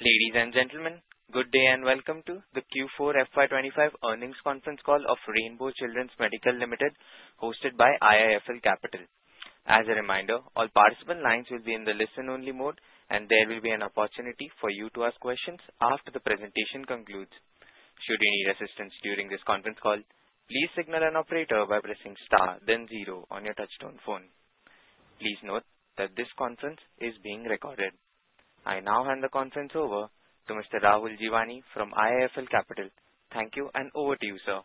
Ladies and gentlemen, good day and welcome to the Q4 FY 2025 Earnings Conference Call of Rainbow Children's Medicare Limited, hosted by IIFL Capital. As a reminder, all participant lines will be in the listen-only mode, and there will be an opportunity for you to ask questions after the presentation concludes. Should you need assistance during this conference call, please signal an operator by pressing star, then zero on your touch-tone phone. Please note that this conference is being recorded. I now hand the conference over to Mr. Rahul Jeewani from IIFL Capital. Thank you, and over to you, sir.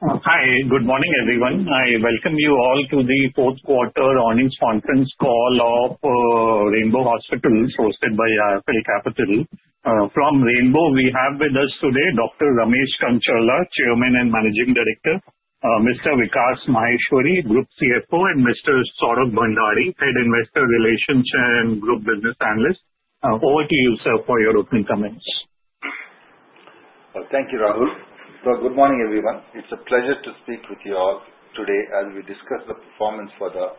Hi, good morning, everyone. I welcome you all to the fourth quarter earnings conference call of Rainbow Hospitals, hosted by IIFL Capital. From Rainbow, we have with us today Dr. Ramesh Kancharla, Chairman and Managing Director, Mr. Vikas Maheshwari, Group CFO, and Mr. Saurabh Bhandari, Head Investor Relations and Group Business Analyst. Over to you, sir, for your opening comments. Thank you, Rahul. So, good morning, everyone. It's a pleasure to speak with you all today as we discuss the performance for the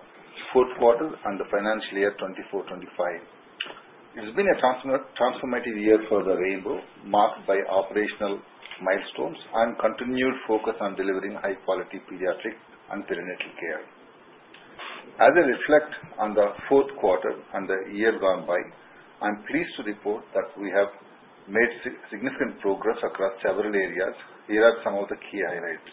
fourth quarter and the financial year 2024-2025. It has been a transformative year for the Rainbow, marked by operational milestones and continued focus on delivering high-quality pediatric and perinatal care. As I reflect on the fourth quarter and the year gone by, I'm pleased to report that we have made significant progress across several areas. Here are some of the key highlights.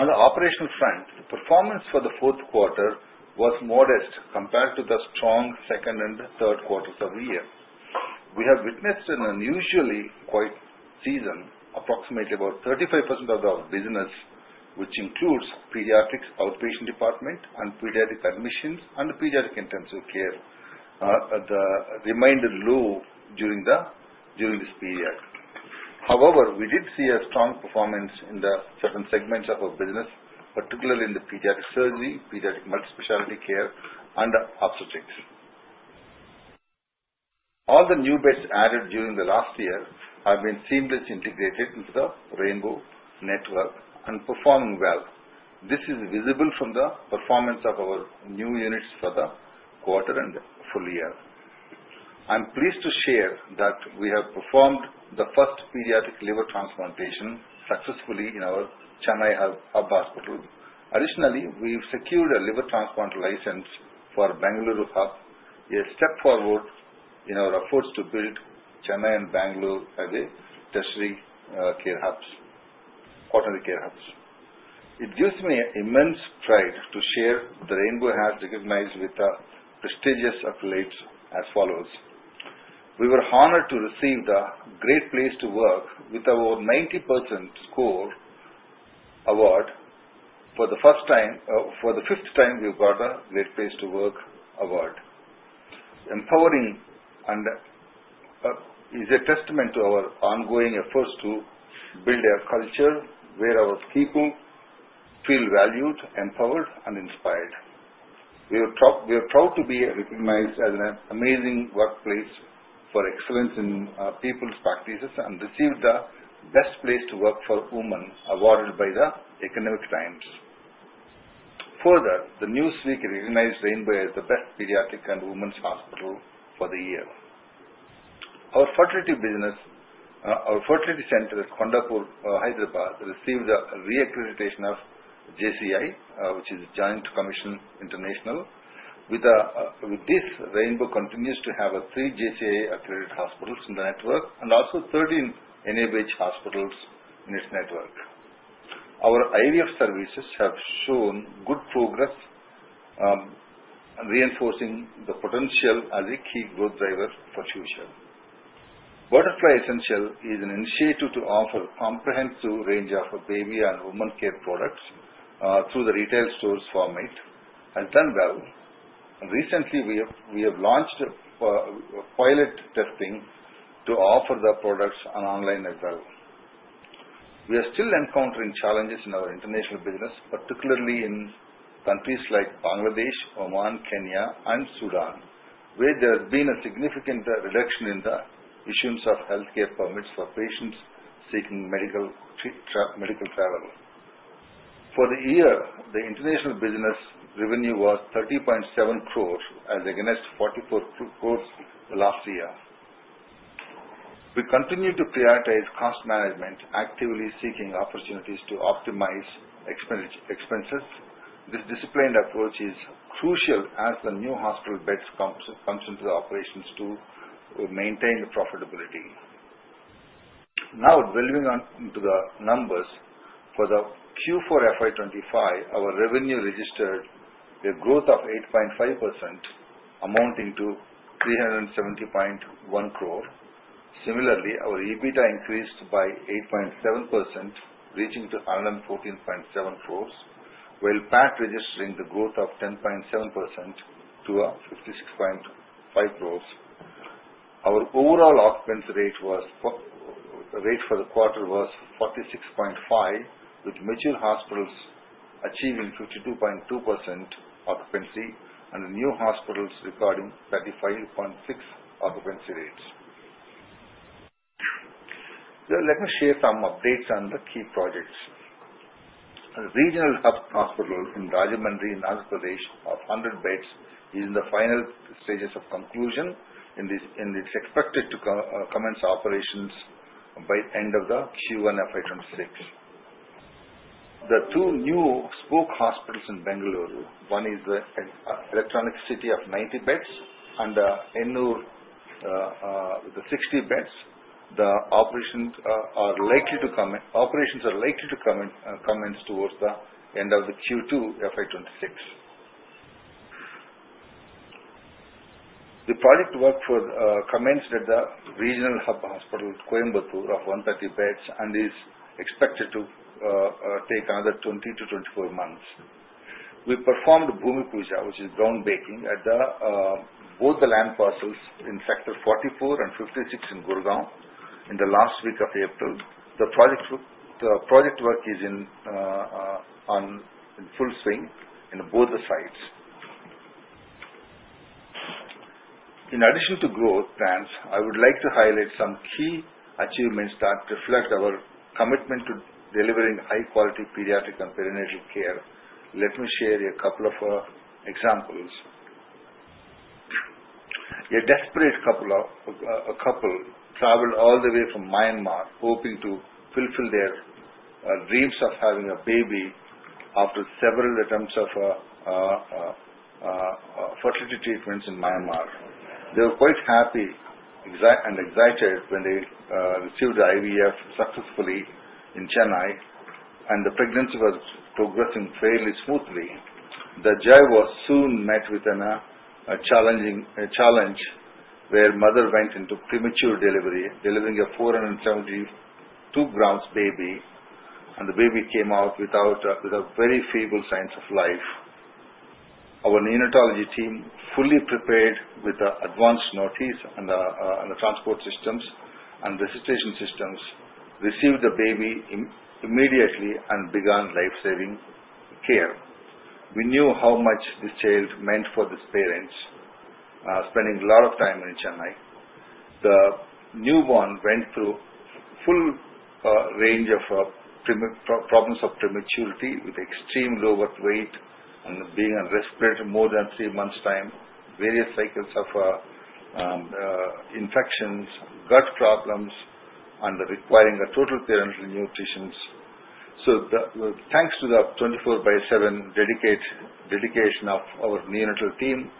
On the operational front, performance for the fourth quarter was modest compared to the strong second and third quarters of the year. We have witnessed an unusually quiet season. Approximately about 35% of the business, which includes pediatrics outpatient department and pediatric admissions and pediatric intensive care, remained low during this period. However, we did see a strong performance in certain segments of our business, particularly in pediatric surgery, pediatric multi-specialty care, and obstetrics. All the new beds added during the last year have been seamlessly integrated into the Rainbow network and performing well. This is visible from the performance of our new units for the quarter and full year. I'm pleased to share that we have performed the first pediatric liver transplantation successfully in our Chennai Hub Hospital. Additionally, we've secured a liver transplant license for Bangalore Hub, a step forward in our efforts to build Chennai and Bangalore as a tertiary care hubs, quaternary care hubs. It gives me immense pride to share that Rainbow has been recognized with prestigious accolades as follows: We were honored to receive the Great Place to Work with our 90% score award for the fifth time we've got the Great Place to Work award. Empowering is a testament to our ongoing efforts to build a culture where our people feel valued, empowered, and inspired. We are proud to be recognized as an amazing workplace for excellence in people's practices and received the Best Place to Work for Women awarded by the Economic Times. Further, Newsweek recognized Rainbow as the Best Pediatric and Women's Hospital for the year. Our fertility center at Kondapur, Hyderabad, received the re-accreditation of JCI, which is a Joint Commission International. With this, Rainbow continues to have three JCI-accredited hospitals in the network and also 13 NABH hospitals in its network. Our IVF services have shown good progress, reinforcing the potential as a key growth driver for the future. Butterfly Essentials is an initiative to offer a comprehensive range of baby and women care products through the retail stores format and done well. Recently, we have launched pilot testing to offer the products online as well. We are still encountering challenges in our international business, particularly in countries like Bangladesh, Oman, Kenya, and Sudan, where there has been a significant reduction in the issuance of healthcare permits for patients seeking medical travel. For the year, the international business revenue was 30.7 crores as against 44 crores last year. We continue to prioritize cost management, actively seeking opportunities to optimize expenses. This disciplined approach is crucial as the new hospital beds come into the operations to maintain profitability. Now, delving into the numbers, for the Q4 FY 2025, our revenue registered a growth of 8.5%, amounting to 370.1 crores. Similarly, our EBITDA increased by 8.7%, reaching 114.7 crores, while PAT registering the growth of 10.7% to 56.5 crores. Our overall occupancy rate for the quarter was 46.5%, with mature hospitals achieving 52.2% occupancy and new hospitals recording 35.6% occupancy rates. Let me share some updates on the key projects. The regional hospital in Rajahmundry, Andhra Pradesh, of 100 beds is in the final stages of construction, and it's expected to commence operations by the end of Q1 FY 2026. The two new spoke hospitals in Bangalore, one is the Electronic City of 90 beds and Hennur, the 60 beds, the operations are likely to commence towards the end of Q2 FY 2026. The project work commenced at the regional hospital of Coimbatore of 130 beds and is expected to take another 20-24 months. We performed Bhoomi Puja, which is ground-breaking, at both the land parcels in Sector 44 and 56 in Gurgaon in the last week of April. The project work is in full swing in both the sites. In addition to growth plans, I would like to highlight some key achievements that reflect our commitment to delivering high-quality pediatric and perinatal care. Let me share a couple of examples. A desperate couple traveled all the way from Myanmar, hoping to fulfill their dreams of having a baby after several attempts of fertility treatments in Myanmar. They were quite happy and excited when they received the IVF successfully in Chennai, and the pregnancy was progressing fairly smoothly. The joy was soon met with a challenge where the mother went into premature delivery, delivering a 472-gram baby, and the baby came out with very feeble signs of life. Our neonatology team, fully prepared with advanced notices and the transport systems and the simulation systems, received the baby immediately and began life-saving care. We knew how much this child meant for these parents, spending a lot of time in Chennai. The newborn went through a full range of problems of prematurity, with extreme low birth weight and being on respiratory more than three months' time, various cycles of infections, gut problems, and requiring total parenteral nutritions. So, thanks to the 24/7 dedication of our neonatal team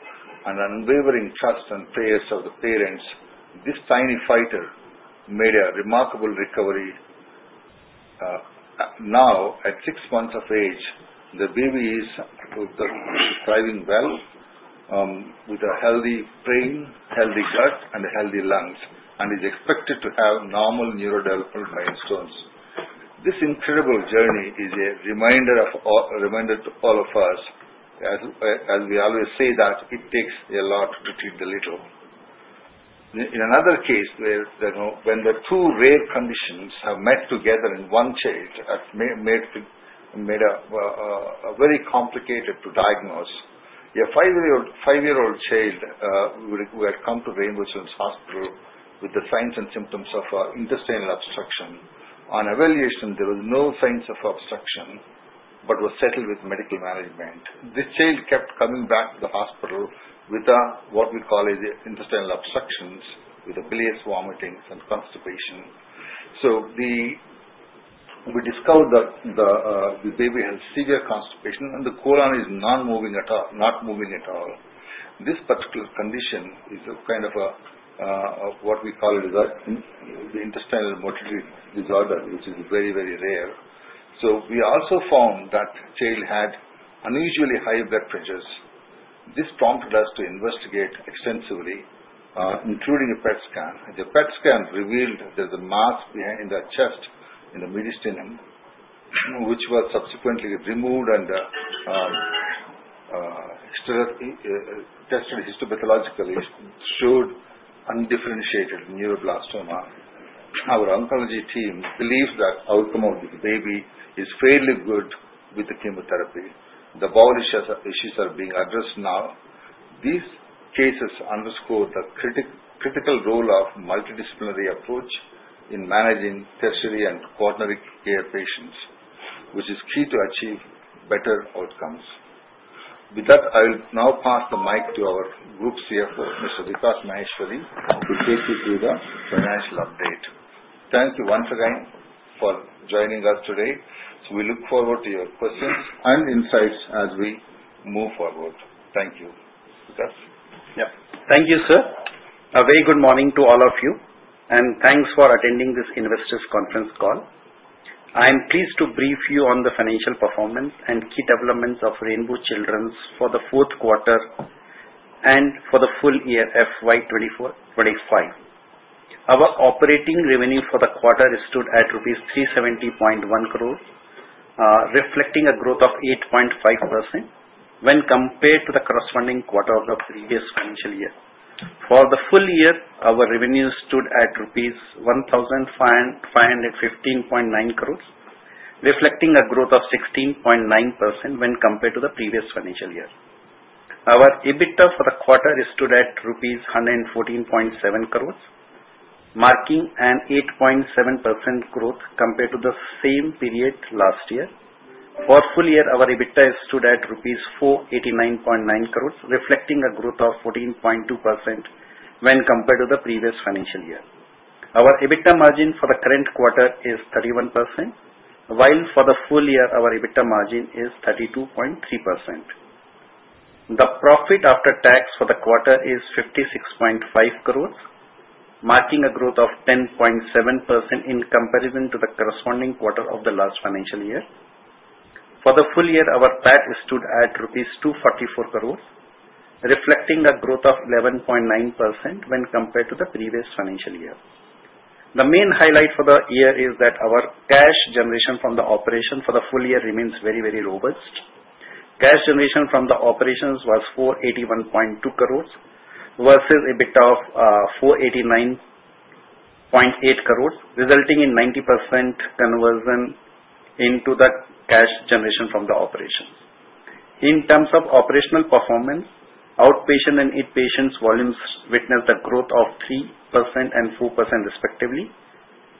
and unwavering trust and prayers of the parents, this tiny fighter made a remarkable recovery. Now, at six months of age, the baby is thriving well with a healthy brain, healthy gut, and healthy lungs, and is expected to have normal neurodevelopmental milestones. This incredible journey is a reminder to all of us, as we always say, that it takes a lot to treat the little. In another case, when the two rare conditions are met together in one child, it made it very complicated to diagnose. A five-year-old child who had come to Rainbow Children's Hospital with the signs and symptoms of intestinal obstruction. On evaluation, there were no signs of obstruction but was settled with medical management. This child kept coming back to the hospital with what we call intestinal obstructions, with bilious vomiting and constipation. So, we discovered the baby has severe constipation, and the colon is not moving at all. This particular condition is kind of what we call the intestinal motility disorder, which is very, very rare. So, we also found that the child had unusually high blood pressures. This prompted us to investigate extensively, including a PET scan. The PET scan revealed there was a mass in the chest, in the mediastinum, which was subsequently removed and tested histopathologically showed undifferentiated neuroblastoma. Our oncology team believes that the outcome of the baby is fairly good with the chemotherapy. The bowel issues are being addressed now. These cases underscore the critical role of a multidisciplinary approach in managing tertiary and quaternary care patients, which is key to achieving better outcomes. With that, I will now pass the mic to our Group CFO, Mr. Vikas Maheshwari, to take you through the financial update. Thank you once again for joining us today. So, we look forward to your questions and insights as we move forward. Thank you, Vikas. Yep. Thank you, sir. A very good morning to all of you, and thanks for attending this investors' conference call. I am pleased to brief you on the financial performance and key developments of Rainbow Children's for the fourth quarter and for the full year FY 2024-2025. Our operating revenue for the quarter stood at rupees 370.1 crore, reflecting a growth of 8.5% when compared to the corresponding quarter of the previous financial year. For the full year, our revenue stood at rupees 1,515.9 crore, reflecting a growth of 16.9% when compared to the previous financial year. Our EBITDA for the quarter stood at INR 114.7 crore, marking an 8.7% growth compared to the same period last year. For the full year, our EBITDA stood at 489.9 crore rupees, reflecting a growth of 14.2% when compared to the previous financial year. Our EBITDA margin for the current quarter is 31%, while for the full year, our EBITDA margin is 32.3%. The profit after tax for the quarter is 56.5 crore, marking a growth of 10.7% in comparison to the corresponding quarter of the last financial year. For the full year, our PAT stood at INR 244 crore, reflecting a growth of 11.9% when compared to the previous financial year. The main highlight for the year is that our cash generation from the operations for the full year remains very, very robust. Cash generation from the operations was 481.2 crore versus EBITDA of 489.8 crore, resulting in 90% conversion into the cash generation from the operations. In terms of operational performance, outpatient and inpatient volumes witnessed a growth of 3% and 4% respectively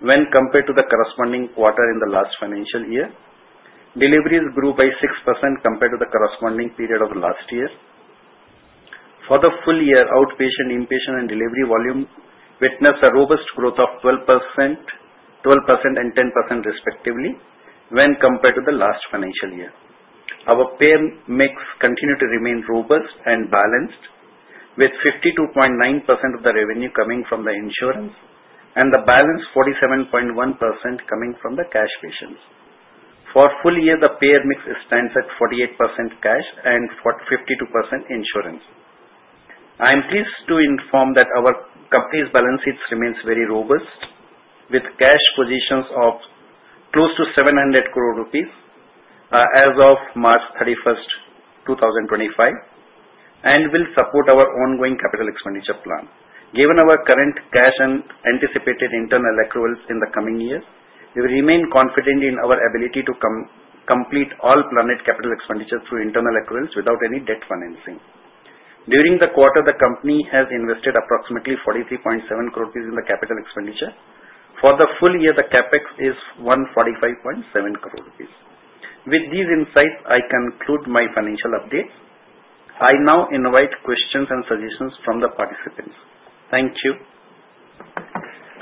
when compared to the corresponding quarter in the last financial year. Deliveries grew by 6% compared to the corresponding period of last year. For the full year, outpatient, inpatient, and delivery volume witnessed a robust growth of 12% and 10% respectively when compared to the last financial year. Our pay mix continued to remain robust and balanced, with 52.9% of the revenue coming from the insurance and the balance 47.1% coming from the cash patients. For the full year, the pay mix stands at 48% cash and 52% insurance. I am pleased to inform that our company's balance sheet remains very robust, with cash positions of close to ₹700 crore as of March 31, 2025, and will support our ongoing capital expenditure plan. Given our current cash and anticipated internal accruals in the coming years, we will remain confident in our ability to complete all planned capital expenditures through internal accruals without any debt financing. During the quarter, the company has invested approximately 43.7 crore rupees in the capital expenditure. For the full year, the CapEx is 145.7 crore rupees. With these insights, I conclude my financial updates. I now invite questions and suggestions from the participants. Thank you.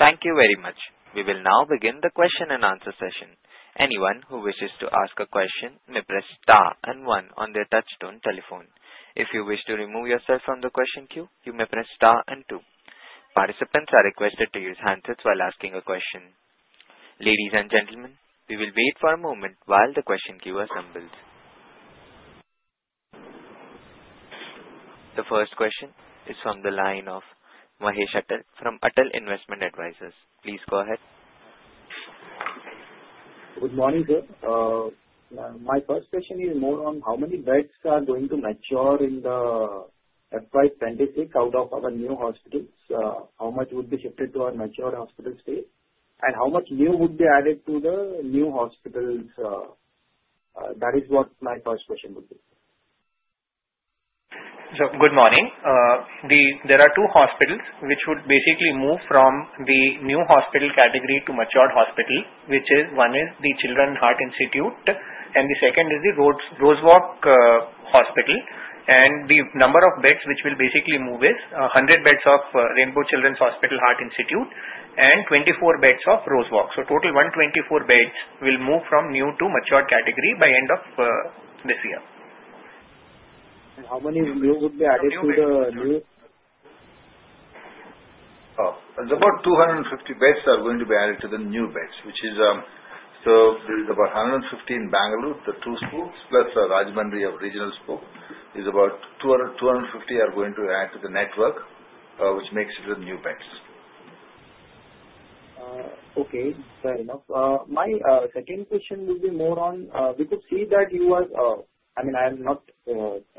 Thank you very much. We will now begin the question and answer session. Anyone who wishes to ask a question may press star and one on their touch-tone telephone. If you wish to remove yourself from the question queue, you may press star and two. Participants are requested to use handsets while asking a question. Ladies and gentlemen, we will wait for a moment while the question queue assembles. The first question is from the line of Mahesh Attal from Attal Investment Advisors. Please go ahead. Good morning, sir. My first question is more on how many beds are going to mature in the FY 2026 out of our new hospitals? How much would be shifted to our matured hospital state, and how much new would be added to the new hospitals? That is what my first question would be. Good morning. There are two hospitals which would basically move from the new hospital category to mature hospital, which is one, the Rainbow Children's Heart Institute, and the second is the Rosewalk Hospital, and the number of beds which will basically move is 100 beds of Rainbow Children's Heart Institute and 24 beds of Rosewalk, so total 124 beds will move from new to mature category by the end of this year. How many new would be added to the new? Oh, about 250 beds are going to be added to the new beds, which is so there is about 150 in Bangalore, the two spokes, plus Rajahmundry of regional spoke. It's about 250 are going to add to the network, which makes it the new beds. Okay, fair enough. My second question would be more on we could see that you are I mean, I'm not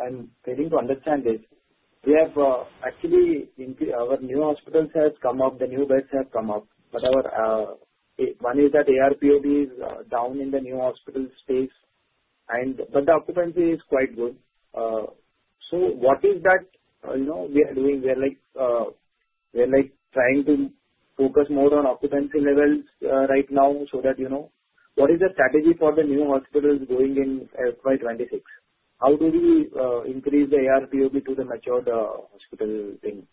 I'm failing to understand this. We have actually our new hospitals have come up, the new beds have come up. But one is that ARPOB is down in the new hospital space, but the occupancy is quite good. So, what is that we are doing? We are trying to focus more on occupancy levels right now so that you know. What is the strategy for the new hospitals going in FY 2026? How do we increase the ARPOB to the mature hospital thing?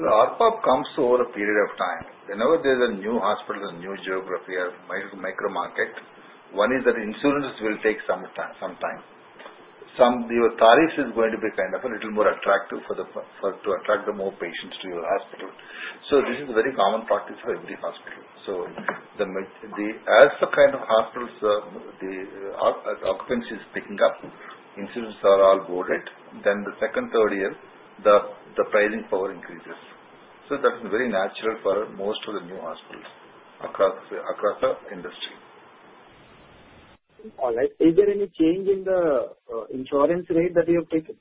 ARPOB comes over a period of time. Whenever there's a new hospital, a new geography, a micro-market, one is that insurance will take some time. Some of your tariffs are going to be kind of a little more attractive to attract more patients to your hospital. This is a very common practice for every hospital. As the kind of hospitals, the occupancy is picking up, insurance are all boarded, then the second, third year, the pricing power increases. That's very natural for most of the new hospitals across the industry. All right. Is there any change in the insurance rate that you have taken?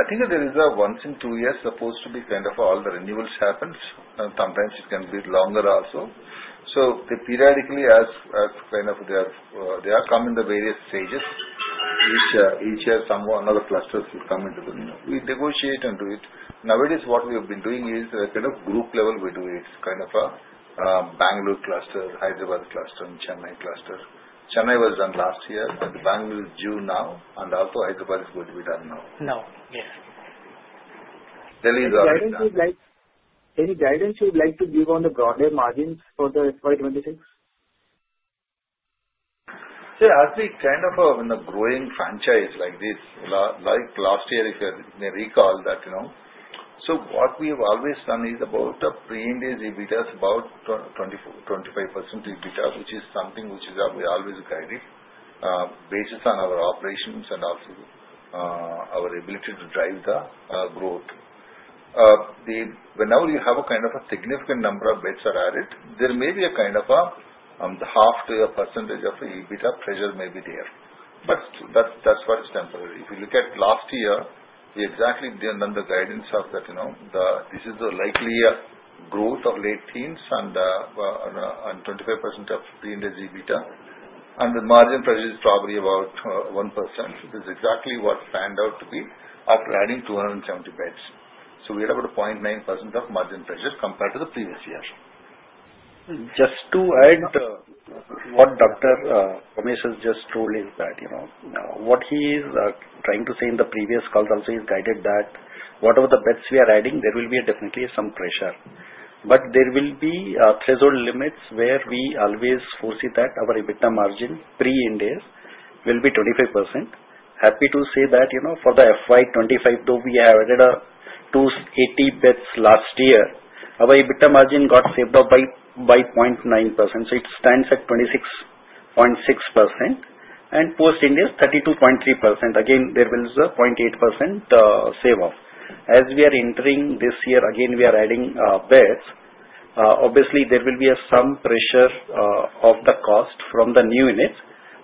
I think there is a once in two years supposed to be kind of all the renewals happen. Sometimes it can be longer also. So, periodically, as kind of they are coming in the various stages, each year someone or clusters will come into the new. We negotiate and do it. Nowadays, what we have been doing is kind of group level we do it. It's kind of a Bangalore cluster, Hyderabad cluster, and Chennai cluster. Chennai was done last year, but Bangalore is due now, and also Hyderabad is going to be done now. Now, yes. There is always that. Any guidance you would like to give on the broader margins for the FY 2026? Sir, as we kind of are in a growing franchise like this, like last year, if you recall that. So, what we have always done is about a pre-Ind AS EBITDA is about 25% EBITDA, which is something which we always guided based on our operations and also our ability to drive the growth. Whenever you have a kind of a significant number of beds added, there may be a kind of a half to a percentage of EBITDA pressure may be there. But that's what is temporary. If you look at last year, we exactly done the guidance of that this is a likely growth of late teens and 25% of pre-Ind AS EBITDA, and the margin pressure is probably about 1%, which is exactly what it panned out to be after adding 270 beds. So, we are about 0.9% of margin pressure compared to the previous year. Just to add what Dr. Ramesh has just told is that what he is trying to say in the previous calls also. He's guided that whatever the beds we are adding, there will be definitely some pressure. But there will be threshold limits where we always foresee that our EBITDA margin pre-Ind AS will be 25%. Happy to say that for the FY 2025, though, we have added 80 beds last year, our EBITDA margin got shaved off by 0.9%. So, it stands at 26.6%, and post-Ind AS 32.3%. Again, there was a 0.8% shave-off. As we are entering this year, again, we are adding beds. Obviously, there will be some pressure of the cost from the new units,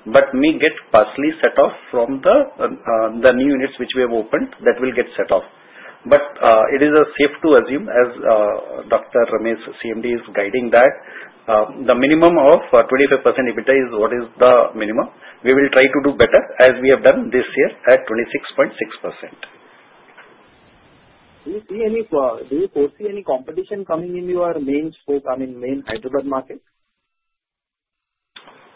but may get partially set off from the new units which we have opened that will get set off. But it is safe to assume, as Dr. Ramesh, CMD, is guiding that the minimum of 25% EBITDA is what is the minimum. We will try to do better as we have done this year at 26.6%. Do you foresee any competition coming in your main spoke, I mean, main Hyderabad market?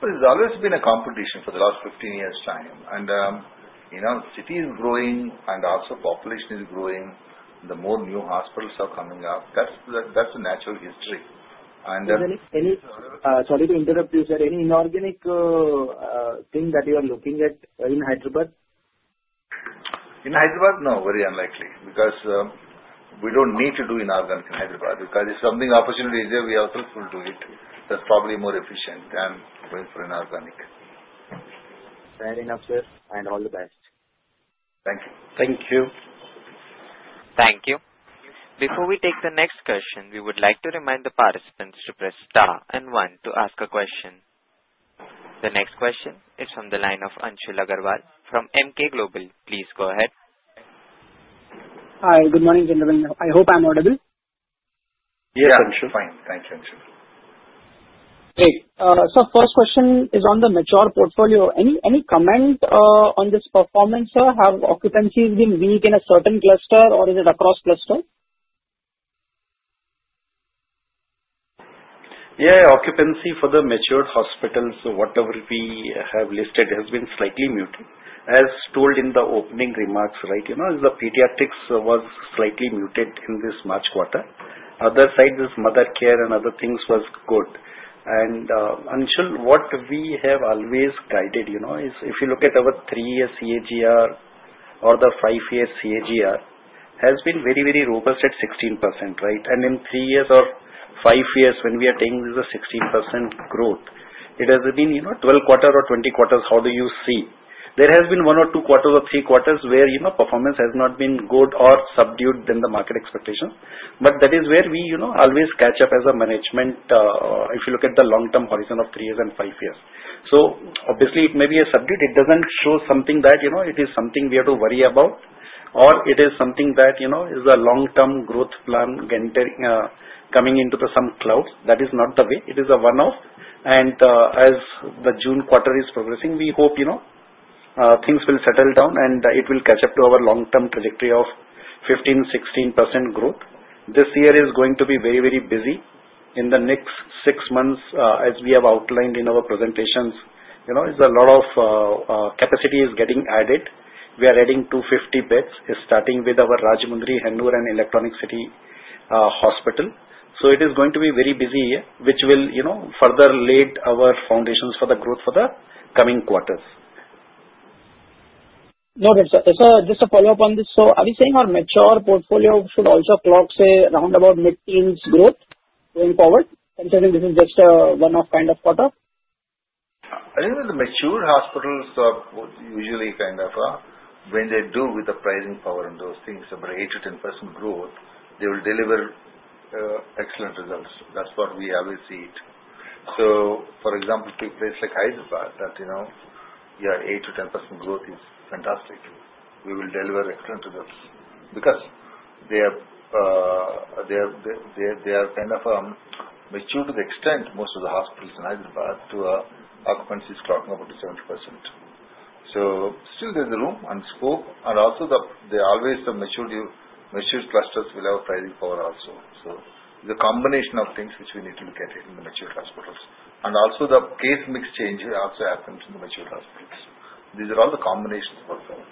There's always been a competition for the last 15 years' time. And cities are growing, and also population is growing. The more new hospitals are coming up, that's the natural history. And. Is there any? Sorry to interrupt you. Is there any inorganic thing that you are looking at in Hyderabad? In Hyderabad, no, very unlikely because we don't need to do inorganic in Hyderabad. Because if some opportunity is there, we also could do it. That's probably more efficient than going for inorganic. Fair enough, sir, and all the best. Thank you. Thank you. Thank you. Before we take the next question, we would like to remind the participants to press star and one to ask a question. The next question is from the line of Anshul Agrawal from Emkay Global. Please go ahead. Hi, good morning, gentlemen. I hope I'm audible. Yes, Anshul. Yes, fine. Thank you, Anshul. Great. So, first question is on the mature portfolio. Any comment on this performance, sir? Have occupancies been weak in a certain cluster, or is it across cluster? Yeah, occupancy for the mature hospitals, whatever we have listed, has been slightly muted, as told in the opening remarks, right? The pediatrics was slightly muted in this March quarter. Other sides, mother care and other things was good. And Anshul, what we have always guided is if you look at our three-year CAGR or the five-year CAGR, has been very, very robust at 16%, right? And in three years or five years, when we are taking the 16% growth, it has been 12 quarters or 20 quarters. How do you see? There has been one or two quarters or three quarters where performance has not been good or subdued than the market expectations. But that is where we always catch up as a management if you look at the long-term horizon of three years and five years. So, obviously, it may be a subdued. It doesn't show something that it is something we have to worry about, or it is something that is a long-term growth plan coming into some clouds. That is not the way. It is a one-off, and as the June quarter is progressing, we hope things will settle down, and it will catch up to our long-term trajectory of 15%-16% growth. This year is going to be very, very busy. In the next six months, as we have outlined in our presentations, a lot of capacity is getting added. We are adding 250 beds, starting with our Rajahmundry, Hennur, and Electronic City Hospital, so it is going to be very busy, which will further laid our foundations for the growth for the coming quarters. Noted. Sir, just a follow-up on this. So, are we saying our mature portfolio should also clock around about mid-teens growth going forward, considering this is just a one-off kind of quarter? I think that the mature hospitals usually kind of, when they do with the pricing power and those things, about 8%-10% growth, they will deliver excellent results. That's what we always see it, so for example, to a place like Hyderabad, that your 8%-10% growth is fantastic. We will deliver excellent results because they are kind of mature to the extent most of the hospitals in Hyderabad to occupancy is clocking up to 70%, so still, there's room and scope, and also, always the mature clusters will have a pricing power also, so it's a combination of things which we need to look at in the mature hospitals, and also, the case mix change also happens in the mature hospitals. These are all the combinations of our portfolio.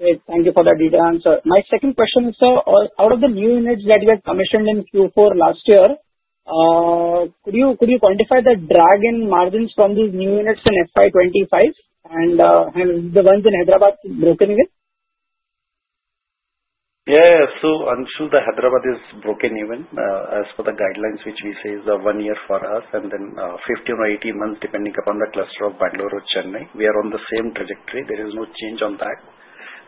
Great. Thank you for that detailed answer. My second question, sir, out of the new units that you had commissioned in Q4 last year, could you quantify the drag in margins from these new units in FY 2025? And have the ones in Hyderabad broken even? Yeah. So, Anshul, the Hyderabad is breakeven. As for the guidelines which we say is a one-year for us, and then 15 or 18 months depending upon the cluster of Bangalore or Chennai, we are on the same trajectory. There is no change on that.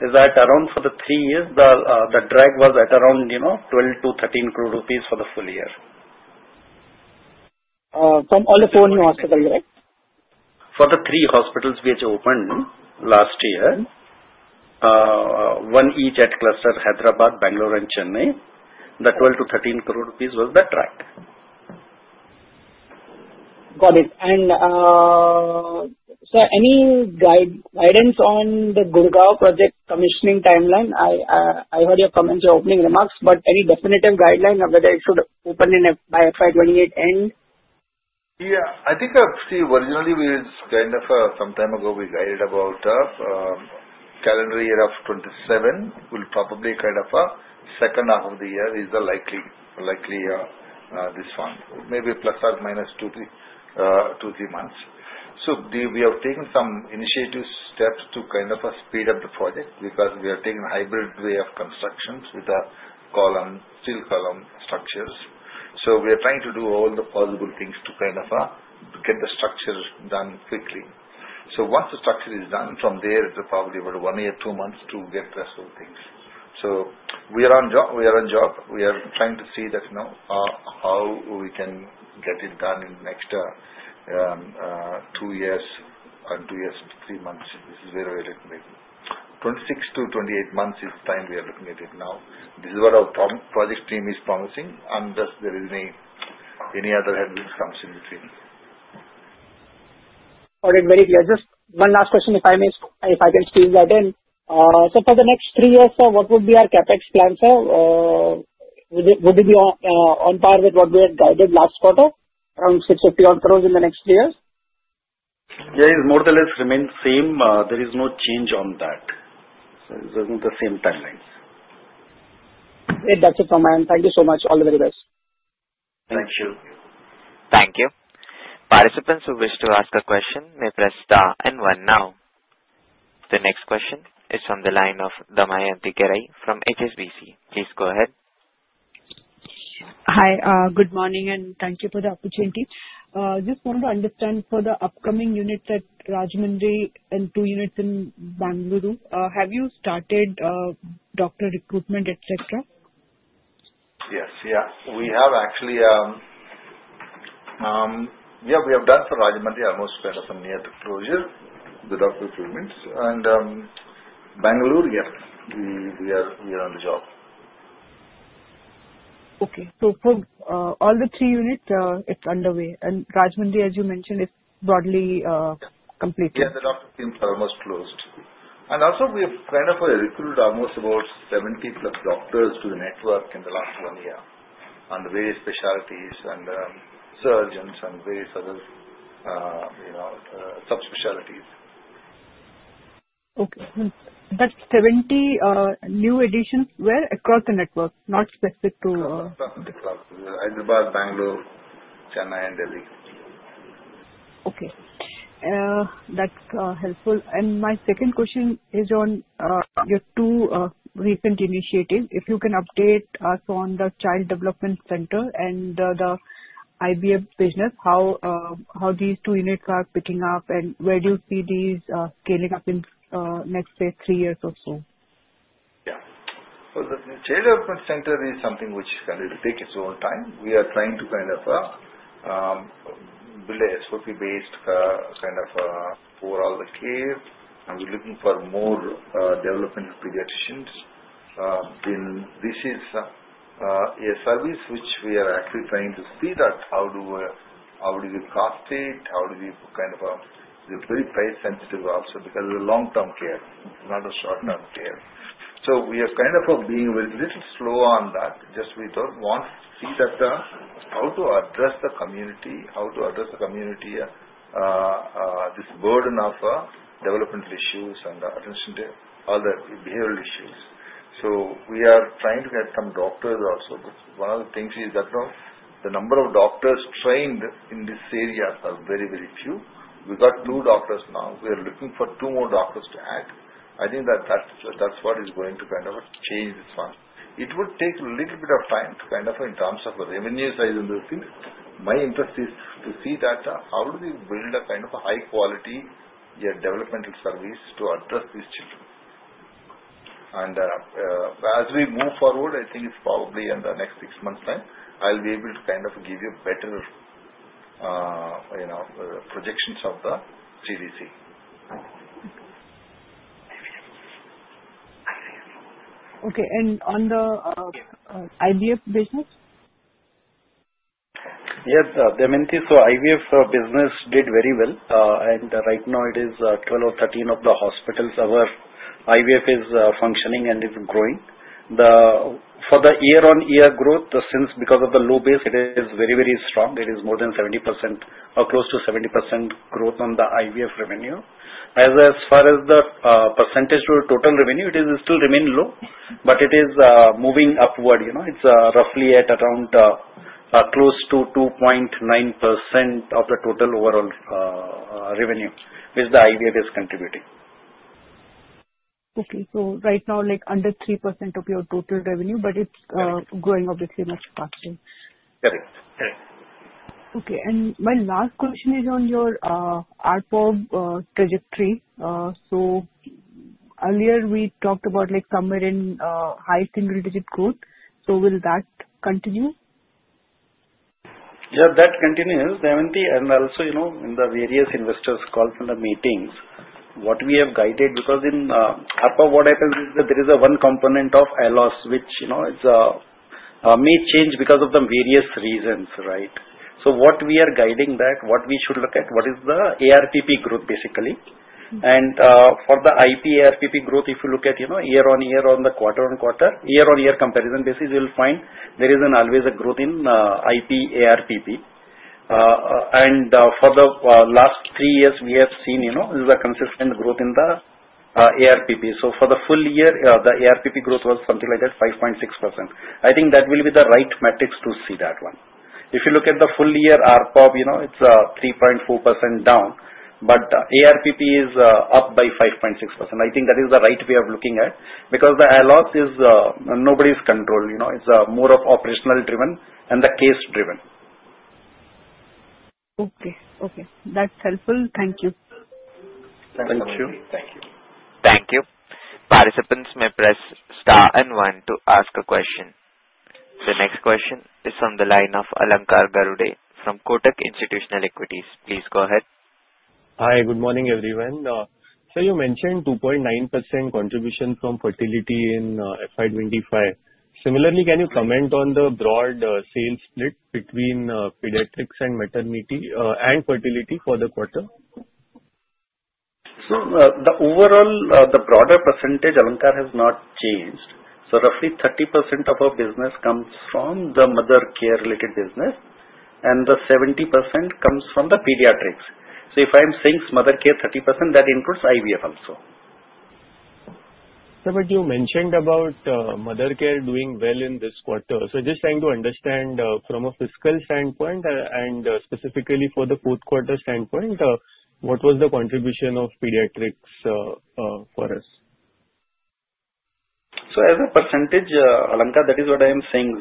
In that regard, for the three years, the drag was at around 12-13 crore rupees for the full year. From all the four new hospitals, right? For the three hospitals which opened last year, one each at cluster Hyderabad, Bangalore, and Chennai, the 12-13 crore rupees was on track. Got it. And sir, any guidance on the Gurgaon project commissioning timeline? I heard your comments, your opening remarks, but any definitive guideline of whether it should open by FY 2028 end? Yeah. I think I've seen originally we kind of some time ago we guided about calendar year of 2027 will probably kind of a second half of the year is the likely this one. Maybe plus or minus two, three months. So, we have taken some initiative steps to kind of speed up the project because we are taking a hybrid way of constructions with the steel column structures. So, we are trying to do all the possible things to kind of get the structures done quickly. So, once the structure is done, from there, it will probably be about one year, two months to get the rest of the things. So, we are on job. We are trying to see how we can get it done in the next two years and two years to three months. This is where we are looking at it. 26-28 months is the time we are looking at it now. This is what our project team is promising. Unless there is any other headwinds coming in between. Got it. Very clear. Just one last question, if I may, if I can squeeze that in. So, for the next three years, sir, what would be our CapEx plan, sir? Would it be on par with what we had guided last quarter, around 650-odd crores in the next three years? Yeah, it more or less remains the same. There is no change on that. So, it's on the same timelines. Great. That's it from my end. Thank you so much. All the very best. Thank you. Thank you. Participants who wish to ask a question may press star and one now. The next question is from the line of Damayanti Kerai from HSBC. Please go ahead. Hi. Good morning, and thank you for the opportunity. Just wanted to understand for the upcoming units at Rajahmundry and two units in Bangalore, have you started doctor recruitment, etc.? Yes. We have actually done for Rajahmundry almost kind of near the closure with doctor recruitment. And Bangalore, we are on the job. Okay. So, for all the three units, it's underway. And Rajahmundry, as you mentioned, it's broadly completed. Yeah. The doctor team is almost closed, and also, we have kind of recruited almost about 70-plus doctors to the network in the last one year on the various specialties and surgeons and various other subspecialties. Okay. That 70 new additions were across the network, not specific to. Across the network. Hyderabad, Bangalore, Chennai, and Delhi. Okay. That's helpful. And my second question is on your two recent initiatives. If you can update us on the Child Development Center and the IVF business, how these two units are picking up, and where do you see these scaling up in, let's say, three years or so? Yeah. Well, the Child Development Center is something which kind of will take its own time. We are trying to kind of be less OP-based kind of for all the care. And we're looking for more developmental pediatricians. This is a service which we are actually trying to see that how do we cost it? How do we kind of it's very price-sensitive also because it's a long-term care. It's not a short-term care. So, we are kind of being a little slow on that. Just we don't want to see how to address the community, this burden of developmental issues and attention to all the behavioral issues. So, we are trying to get some doctors also. But one of the things is that the number of doctors trained in this area are very, very few. We got two doctors now. We are looking for two more doctors to add. I think that's what is going to kind of change this one. It would take a little bit of time to kind of in terms of revenue size and those things. My interest is to see that how do we build a kind of a high-quality developmental service to address these children and as we move forward, I think it's probably in the next six months' time, I'll be able to kind of give you better projections of the CDC. Okay, and on the IVF business? Yes. So, IVF business did very well. And right now, it is 12 or 13 of the hospitals our IVF is functioning and is growing. For the year-on-year growth, because of the low base, it is very, very strong. It is more than 70% or close to 70% growth on the IVF revenue. As far as the percentage to total revenue, it still remains low, but it is moving upward. It's roughly at around close to 2.9% of the total overall revenue, which the IVF is contributing. Okay. So, right now, under 3% of your total revenue, but it's growing, obviously, much faster. Correct. Correct. Okay, and my last question is on your ARPOB trajectory. So, earlier, we talked about somewhere in high single-digit growth. So, will that continue? Yeah. That continues, definitely and also, in the various investors' calls and the meetings, what we have guided because in ARPOB, what happens is that there is a one component of ALOS, which may change because of the various reasons, right? So, what we are guiding that, what we should look at, what is the ARPP growth, basically. And for the IP ARPP growth, if you look at year-on-year on the quarter-on-quarter, year-on-year comparison basis, you'll find there is always a growth in IP ARPP. And for the last three years, we have seen there's a consistent growth in the ARPP. So, for the full year, the ARPP growth was something like at 5.6%. I think that will be the right metrics to see that one. If you look at the full-year ARPOB, it's 3.4% down, but ARPP is up by 5.6%. I think that is the right way of looking at because the ALOS is nobody's control. It's more of operationally driven and the case-driven. Okay. Okay. That's helpful. Thank you. Thank you. Thank you. Thank you. Participants may press star and one to ask a question. The next question is from the line of Alankar Garude from Kotak Institutional Equities. Please go ahead. Hi. Good morning, everyone. Sir, you mentioned 2.9% contribution from fertility in FY 2025. Similarly, can you comment on the broad sales split between pediatrics and maternity and fertility for the quarter? So, the overall, the broader percentage Alankar has not changed. So, roughly 30% of our business comes from the mother care-related business, and the 70% comes from the pediatrics. So, if I'm saying mother care 30%, that includes IVF also. Sir, but you mentioned about mother care doing well in this quarter. So, just trying to understand from a fiscal standpoint and specifically for the fourth quarter standpoint, what was the contribution of pediatrics for us? So, as a percentage, Alankar, that is what I am saying.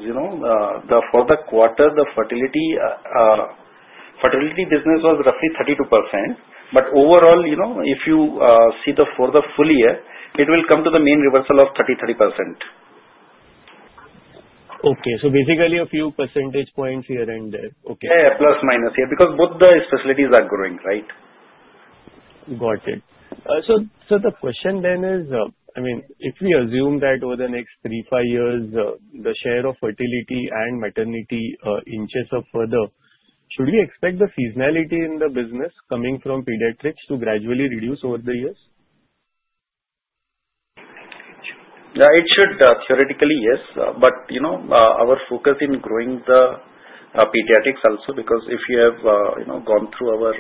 For the quarter, the fertility business was roughly 32%. But overall, if you see for the full year, it will come to the main reversal of 33%. Okay. So, basically, a few percentage points here and there. Okay. Yeah. Plus-minus here because both the specialties are growing, right? Got it. So, the question then is, I mean, if we assume that over the next three, five years, the share of fertility and maternity increases further, should we expect the seasonality in the business coming from pediatrics to gradually reduce over the years? Yeah. It should theoretically, yes, but our focus in growing the pediatrics also because if you have gone through our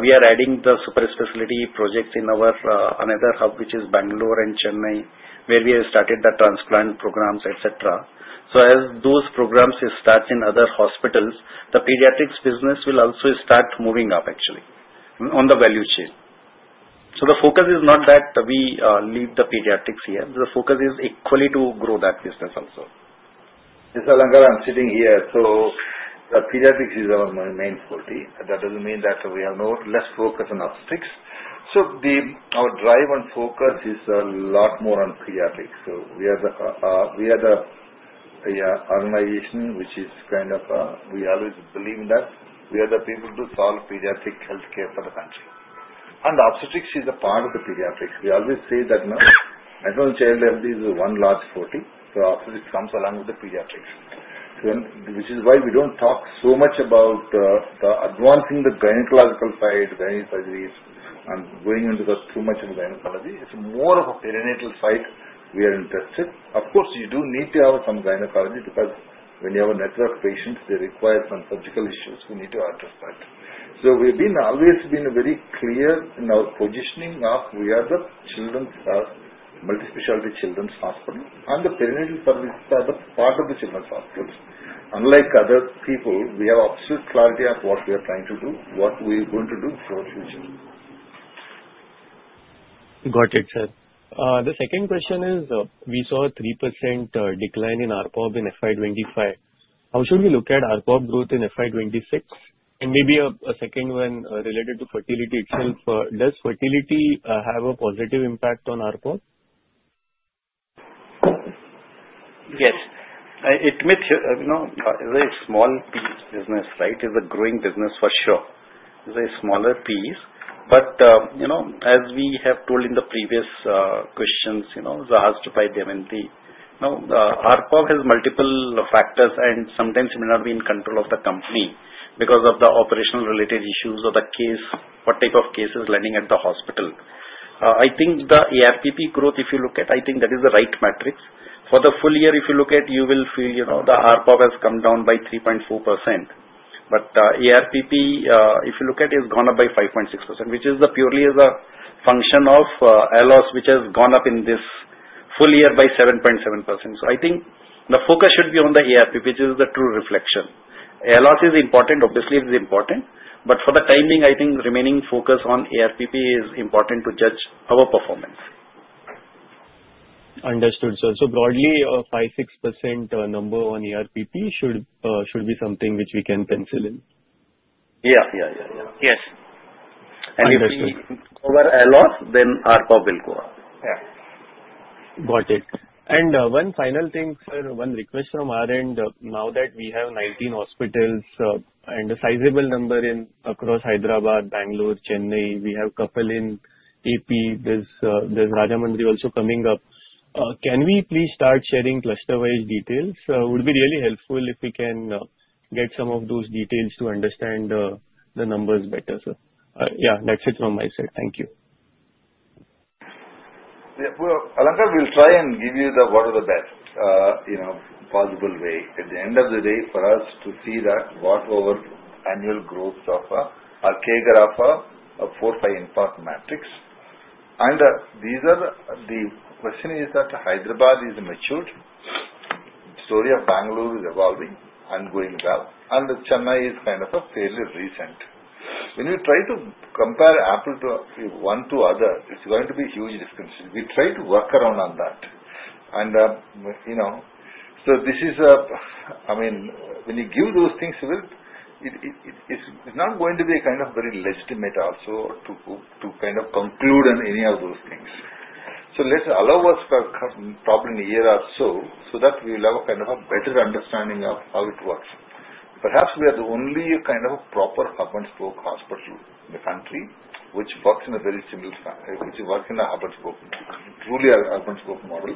we are adding the super specialty projects in our another hub, which is Bangalore and Chennai, where we have started the transplant programs, etc. So, as those programs start in other hospitals, the pediatrics business will also start moving up, actually, on the value chain. The focus is not that we leave the pediatrics here. The focus is equally to grow that business also. This Alankar, I'm sitting here. The pediatrics is our main forte. That doesn't mean that we have no less focus on obstetrics. Our drive and focus is a lot more on pediatrics. We are the organization which is kind of we always believe that we are the people to solve pediatric healthcare for the country. And obstetrics is a part of the pediatrics. We always say that maternal child health is one large forte. So, obstetrics comes along with the pediatrics, which is why we don't talk so much about advancing the gynecological side, gynecology, and going into too much of gynecology. It's more of a perinatal side we are interested. Of course, you do need to have some gynecology because when you have a network of patients, they require some surgical issues. We need to address that. So, we have always been very clear in our positioning of we are the children's multispecialty children's hospital, and the perinatal service is part of the children's hospitals. Unlike other people, we have absolute clarity of what we are trying to do, what we are going to do for the future. Got it, sir. The second question is, we saw a 3% decline in RPOB in FY 2025. How should we look at RPOB growth in FY 2026? And maybe a second one related to fertility itself. Does fertility have a positive impact on RPOB? Yes. It may be a very small piece of business, right? It's a growing business for sure. It's a smaller piece. But as we have told in the previous questions, the hospital ARPOB has multiple factors, and sometimes it may not be in control of the company because of the operational-related issues or the case, what type of case is landing at the hospital. I think the ARPP growth, if you look at, I think that is the right metrics. For the full year, if you look at, you will feel the ARPOB has come down by 3.4%. But ARPP, if you look at, has gone up by 5.6%, which is purely as a function of ALOS, which has gone up in this full year by 7.7%. So, I think the focus should be on the ARPP, which is the true reflection. ALOS is important. Obviously, it is important. But for the timing, I think remaining focus on ARPP is important to judge our performance. Understood, sir. So, broadly, a 5-6% number on ARPP should be something which we can pencil in. Yeah. Yeah. Yeah. Yes. If we go over ALOS, then ARPOB will go up. Got it. And one final thing, sir, one request from our end. Now that we have 19 hospitals and a sizable number across Hyderabad, Bangalore, Chennai, we have couple in AP. There's Rajahmundry also coming up. Can we please start sharing cluster-wise details? It would be really helpful if we can get some of those details to understand the numbers better, sir. Yeah. That's it from my side. Thank you. Yeah. Well, Alankar, we'll try and give you what is the best possible way. At the end of the day, for us to see that what our annual growths of our care of our four-time impact metrics. And the question is that Hyderabad is mature. The story of Bangalore is evolving and going well. And Chennai is kind of fairly recent. When we try to compare apples to oranges, it's going to be a huge difference. We try to work around on that. And so, this is, I mean, when you give those things, it's not going to be kind of very legitimate also to kind of conclude on any of those things. So, let's allow us probably a year or so so that we will have kind of a better understanding of how it works. Perhaps we are the only kind of proper hub-and-spoke hospital in the country which works in a very similar hub-and-spoke, truly a hub-and-spoke model.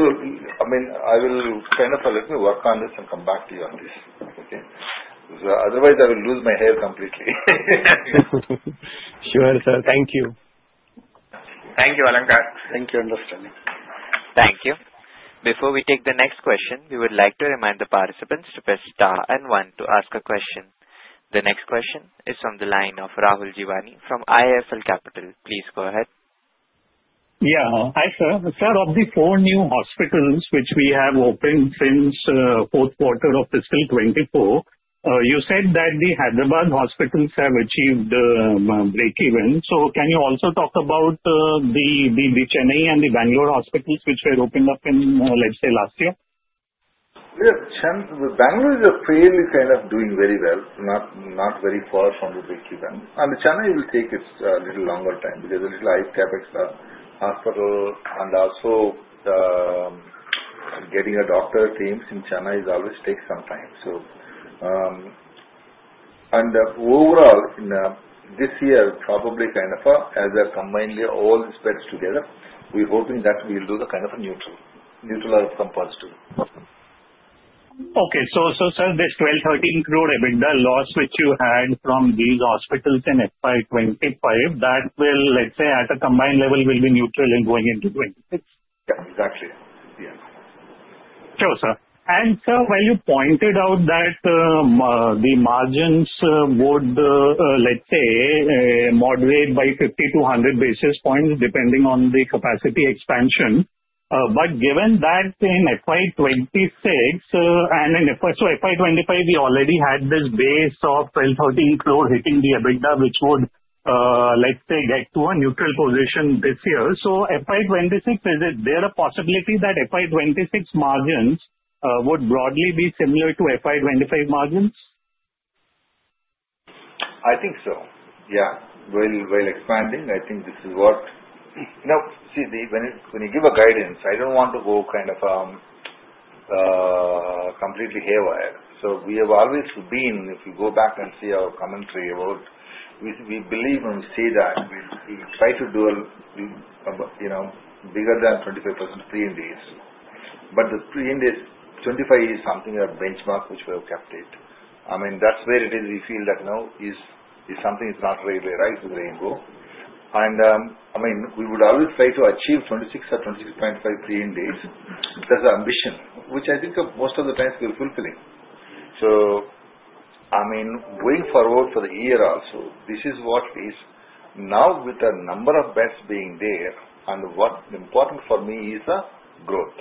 So, I mean, I will kind of let me work on this and come back to you on this. Okay? Otherwise, I will lose my hair completely. Sure, sir. Thank you. Thank you, Alankar. Thank you. Understanding. Thank you. Before we take the next question, we would like to remind the participants to press star and one to ask a question. The next question is from the line of Rahul Jeewani from IIFL Capital. Please go ahead. Yeah. Hi, sir. Sir, of the four new hospitals which we have opened since fourth quarter of fiscal 24, you said that the Hyderabad hospitals have achieved break-even. So, can you also talk about the Chennai and the Bangalore hospitals which were opened up in, let's say, last year? Yeah. Bangalore is fairly kind of doing very well, not very far from the break-even. And Chennai will take a little longer time because IIFL Capital and also getting a doctor team in Chennai always takes some time. So, and overall, this year, probably kind of as a combined way, all is better together. We're hoping that we'll do kind of a neutral outcome positive. Okay. So, sir, this 12-13 crore EBITDA loss which you had from these hospitals in FY 2025, that will, let's say, at a combined level, will be neutral in going into 26? Yeah. Exactly. Yeah. Sure, sir. And sir, while you pointed out that the margins would, let's say, moderate by 50-100 basis points depending on the capacity expansion, but given that in FY 2026 and in FY 2025, we already had this base of 12-13 crore hitting the EBITDA which would, let's say, get to a neutral position this year. So, FY 2026, is there a possibility that FY 2026 margins would broadly be similar to FY 2025 margins? I think so. Yeah. While expanding, I think this is what now, see, when you give a guidance, I don't want to go kind of completely haywire. So, we have always been, if you go back and see our commentary, we believe when we say that we try to do bigger than 25% EBITDA. But the 25% EBITDA is something of a benchmark which we have kept it. I mean, that's where it is we feel that nothing is not really right with Rainbow. And I mean, we would always try to achieve 26% or 26.5% EBITDA. That's our ambition, which I think most of the times we're fulfilling. So, I mean, going forward for the year also, this is what it is. Now, with the number of beds being there and what's important for me is the growth.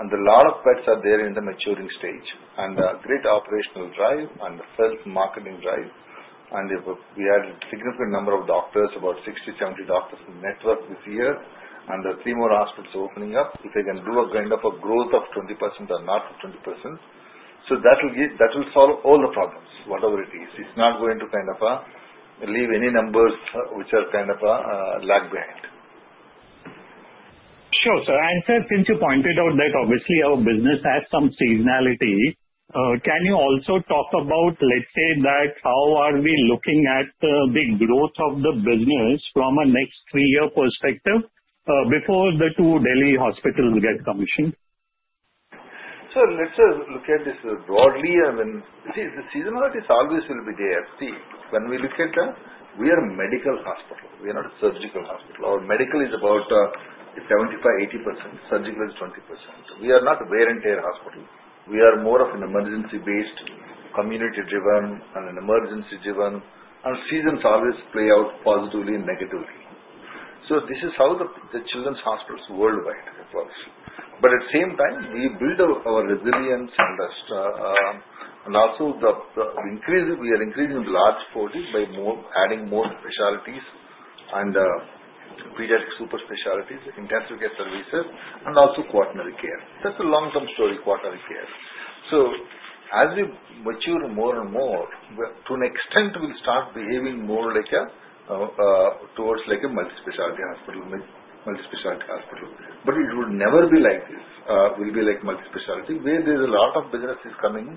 And a lot of beds are there in the maturing stage and great operational drive and the self-marketing drive. And we had a significant number of doctors, about 60-70 doctors in the network this year, and three more hospitals opening up. If they can do a kind of a growth of 20% or not 20%, so that will solve all the problems, whatever it is. It's not going to kind of leave any numbers which are kind of lag behind. Sure, sir. And sir, since you pointed out that obviously our business has some seasonality, can you also talk about, let's say, how are we looking at the growth of the business from a next three-year perspective before the two Delhi hospitals get commissioned? Sir, let's look at this broadly. I mean, the seasonality always will be there. See, when we look at, we are a medical hospital. We are not a surgical hospital. Our medical is about 75%-80%. Surgical is 20%. We are not a wear-and-tear hospital. We are more of an emergency-based, community-driven, and an emergency-driven, and seasons always play out positively and negatively, so this is how the children's hospitals worldwide evolve, but at the same time, we build our resilience and also we are increasing the large forte by adding more specialties and pediatric super specialties, intensive care services, and also quaternary care. That's the long-term story, quaternary care, so as we mature more and more, to an extent, we'll start behaving more towards a multispecialty hospital, multispecialty hospital, but it will never be like this. It will be like multispecialty where there's a lot of businesses coming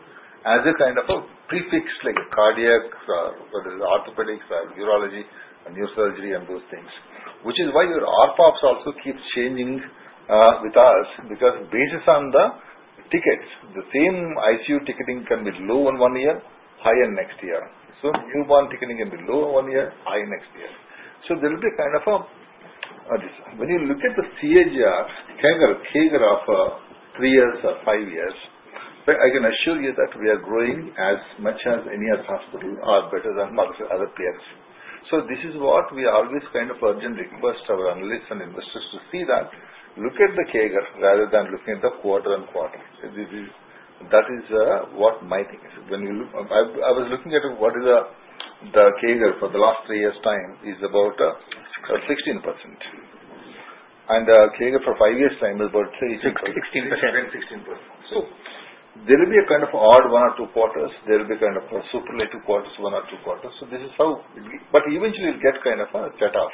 as a kind of a prefix, like cardiac or orthopedics or urology and neurosurgery and those things. Which is why your ARPOBs also keep changing with us because based on the tickets. The same ICU ticketing can be low in one year, higher next year. So, newborn ticketing can be low in one year, high next year. So, there will be kind of a when you look at the CAGR over three years or five years, I can assure you that we are growing as much as any other hospital or better than other peers. So, this is what we always kind of urgently request our analysts and investors to see that look at the CAGR rather than looking at the quarter on quarter. That is what my thing is. When you look, I was looking at what is the CAGR for the last three years' time is about 16%. And CAGR for five years' time is about 16%. 16%. So, there will be a kind of odd one or two quarters. There will be kind of superlative quarters, one or two quarters. So, this is how it will be. But eventually, it'll get kind of a cut off.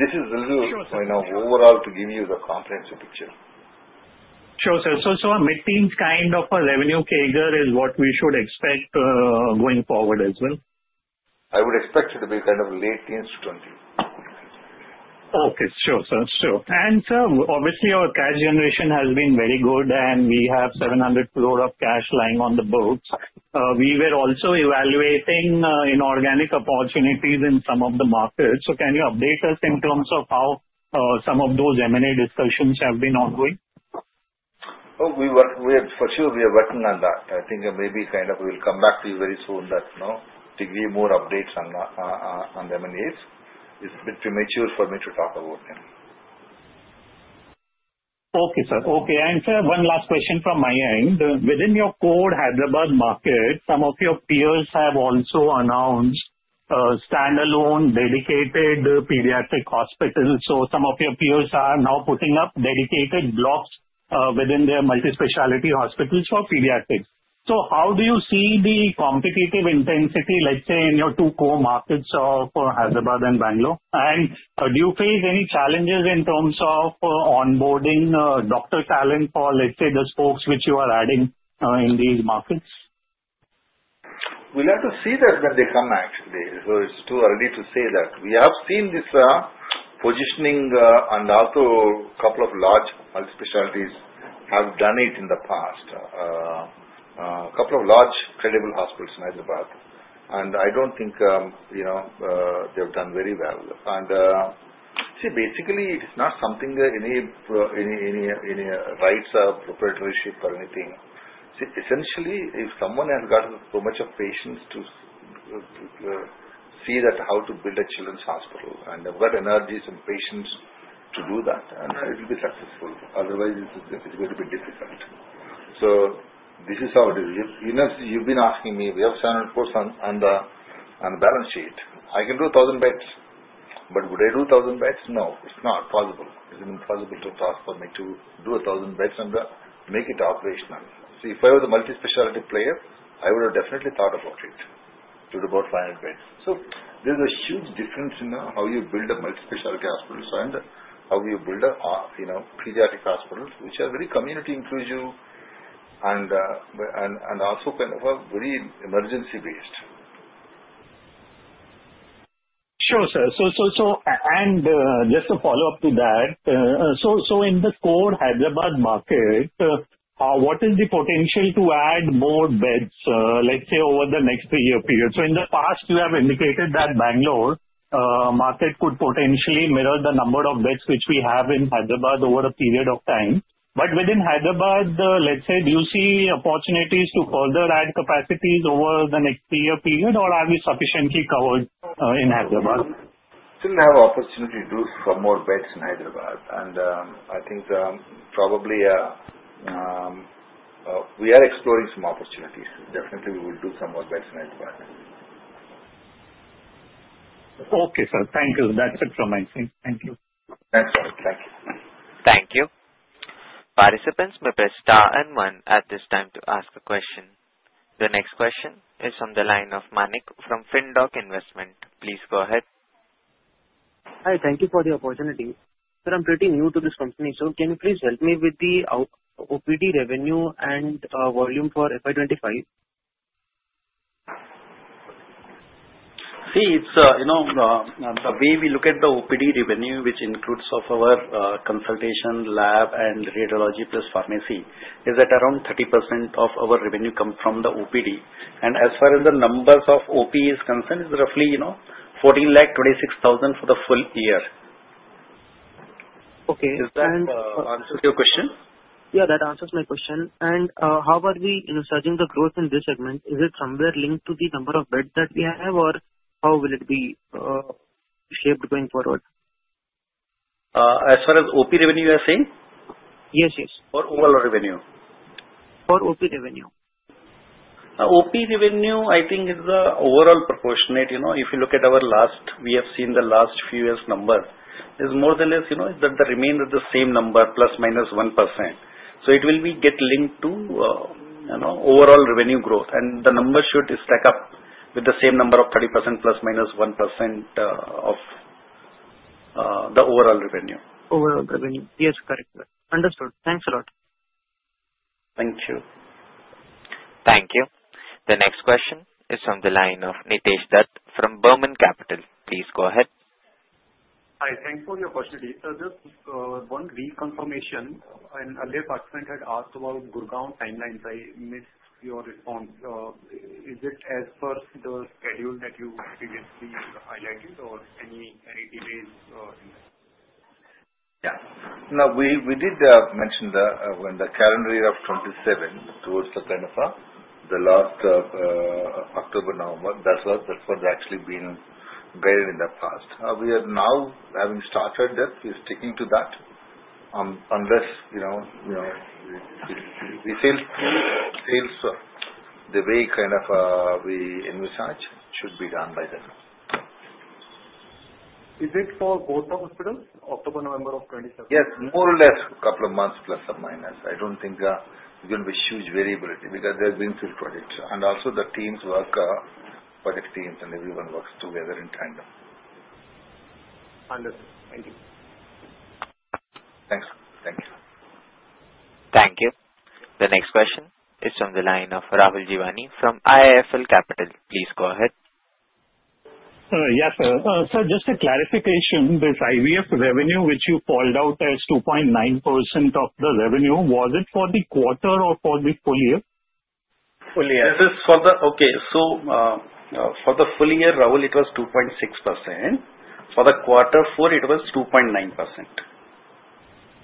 This is the overall to give you the comprehensive picture. Sure, sir. So, a mid-teens kind of a revenue CAGR is what we should expect going forward as well? I would expect it to be kind of late teens to 20. Okay. Sure, sir. Sure. And sir, obviously, our cash generation has been very good, and we have 700 crore of cash lying on the books. We were also evaluating inorganic opportunities in some of the markets. So, can you update us in terms of how some of those M&A discussions have been ongoing? Oh, for sure, we have written on that. I think maybe kind of we'll come back to you very soon that we give more updates on the M&As. It's a bit premature for me to talk about them. Okay, sir. Okay, and sir, one last question from my end. Within your core Hyderabad market, some of your peers have also announced standalone dedicated pediatric hospitals, so some of your peers are now putting up dedicated blocks within their multispecialty hospitals for pediatrics, so how do you see the competitive intensity, let's say, in your two core markets of Hyderabad and Bangalore? And do you face any challenges in terms of onboarding doctor talent for, let's say, the spokes which you are adding in these markets? We'll have to see that when they come, actually, so it's too early to say that. We have seen this positioning, and also a couple of large multispecialties have done it in the past. A couple of large credible hospitals in Hyderabad, and I don't think they've done very well, and see, basically, it's not something that any rights of proprietorship or anything. See, essentially, if someone has gotten so much of patience to see how to build a children's hospital and have got energies and patience to do that, then it will be successful. Otherwise, it's going to be difficult, so this is how it is. You've been asking me, we have 700 crores on the balance sheet. I can do 1,000 beds, but would I do 1,000 beds? No. It's not possible. It's impossible for me to do 1,000 beds and make it operational. See, if I were the multispecialty player, I would have definitely thought about it to do about 500 beds. So, there's a huge difference in how you build a multispecialty hospital and how you build a pediatric hospital which are very community-inclusive and also kind of very emergency-based. Sure, sir. And just to follow up to that, so in the core Hyderabad market, what is the potential to add more beds, let's say, over the next three-year period? So, in the past, you have indicated that Bangalore market could potentially mirror the number of beds which we have in Hyderabad over a period of time. But within Hyderabad, let's say, do you see opportunities to further add capacities over the next three-year period, or are we sufficiently covered in Hyderabad? We still have opportunity to do some more beds in Hyderabad. I think probably we are exploring some opportunities. Definitely, we will do some more beds in Hyderabad. Okay, sir. Thank you. That's it from my side. Thank you. Thanks, sir. Thank you. Thank you. Participants, may press star and one at this time to ask a question. The next question is from the line of Manik from Findoc Investment. Please go ahead. Hi. Thank you for the opportunity. Sir, I'm pretty new to this company. So, can you please help me with the OPD revenue and volume for FY 2025? See, the way we look at the OPD revenue, which includes our consultation, lab, and radiology plus pharmacy, is that around 30% of our revenue comes from the OPD, and as far as the number of OPs is concerned, it's roughly 14,260,000 for the full year. Okay. And. Does that answer your question? Yeah. That answers my question. And how are we surging the growth in this segment? Is it somewhere linked to the number of beds that we have, or how will it be shaped going forward? As far as OP revenue, you are saying? Yes, yes. Or overall revenue? For OP revenue. OP revenue, I think, is overall proportionate. If you look at our last, we have seen the last few years' number, it's more or less that the ratio is the same number, plus minus 1%. So, it will get linked to overall revenue growth. And the numbers should stack up with the same number of 30% plus minus 1% of the overall revenue. Overall revenue. Yes, correct. Understood. Thanks a lot. Thank you. Thank you. The next question is from the line of Nitesh Dutt from Burman Capital. Please go ahead. Hi. Thanks for the opportunity. Just one reconfirmation. An earlier participant had asked about Gurugram timelines. I missed your response. Is it as per the schedule that you previously highlighted, or any delays in that? Yeah. Now, we did mention when the calendar year of 2027 towards kind of the last October, November, that was actually being guided in the past. We are now having started that. We are sticking to that unless we fail to scale the way kind of we envisaged should be done by then. Is it for both the hospitals, October, November of 2027? Yes. More or less a couple of months plus or minus. I don't think there's going to be huge variability because there's been two projects, and also, the teams work, project teams, and everyone works together in tandem. Understood. Thank you. Thanks. Thank you. Thank you. The next question is from the line of Rahul Jeewani from IIFL Capital. Please go ahead. Yes, sir. Sir, just a clarification. This IVF revenue, which you called out as 2.9% of the revenue, was it for the quarter or for the full year? Full year. For the full year, Rahul, it was 2.6%. For the quarter four, it was 2.9%.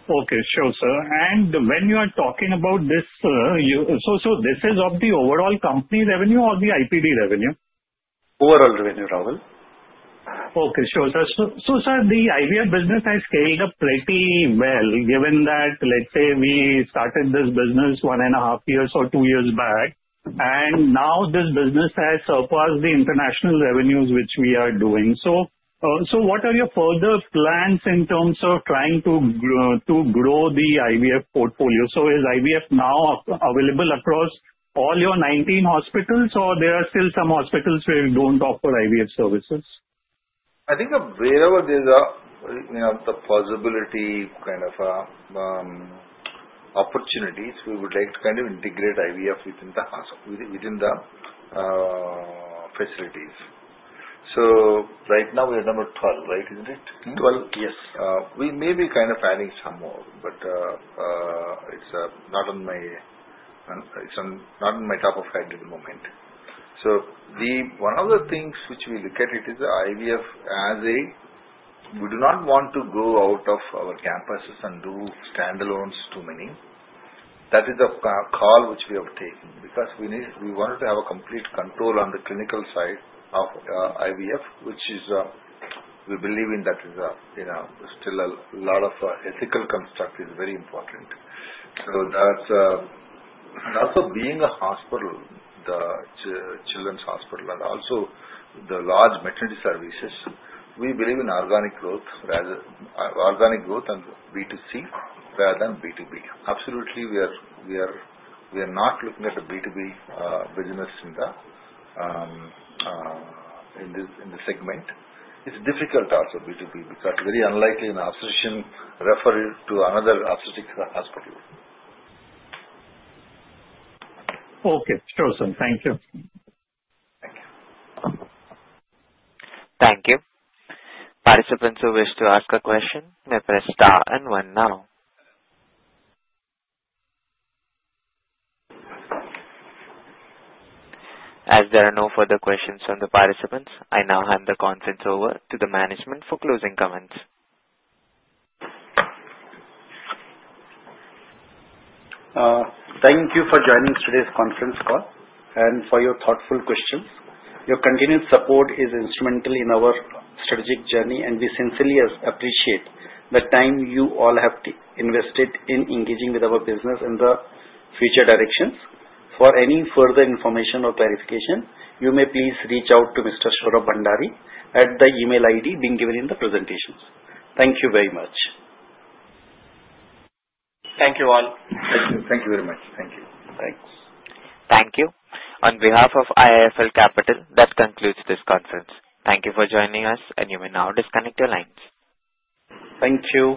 Okay. Sure, sir, and when you are talking about this, sir, so this is of the overall company revenue or the IPD revenue? Overall revenue, Rahul. Okay. Sure, sir. So, sir, the IVF business has scaled up pretty well given that, let's say, we started this business one and a half years or two years back. And now, this business has surpassed the international revenues which we are doing. So, what are your further plans in terms of trying to grow the IVF portfolio? So, is IVF now available across all your 19 hospitals, or there are still some hospitals where you don't offer IVF services? I think wherever there's the possibility kind of opportunities, we would like to kind of integrate IVF within the facilities. So, right now, we are number 12, right? Isn't it? 12. Yes. We may be kind of adding some more, but it's not on top of my head at the moment. So, one of the things which we look at is the IVF, as we do not want to go out of our campuses and do standalones too many. That is a call which we have taken because we wanted to have complete control on the clinical side of IVF, which we believe in. That is still a lot of ethical construct is very important. So, also being a hospital, the children's hospital, and also the large maternity services, we believe in organic growth and B2C rather than B2B. Absolutely, we are not looking at a B2B business in the segment. It's difficult also B2B because very unlikely an obstetrician refers to another obstetric hospital. Okay. Sure, sir. Thank you. Thank you. Thank you. Participants who wish to ask a question, may press star and one now. As there are no further questions from the participants, I now hand the conference over to the management for closing comments. Thank you for joining today's conference call and for your thoughtful questions. Your continued support is instrumental in our strategic journey, and we sincerely appreciate the time you all have invested in engaging with our business and the future directions. For any further information or clarification, you may please reach out to Mr. Saurabh Bhandari at the email ID being given in the presentations. Thank you very much. Thank you all. Thank you. Thank you very much. Thank you. Thanks. Thank you. On behalf of IIFL Capital, that concludes this conference. Thank you for joining us, and you may now disconnect your lines. Thank you.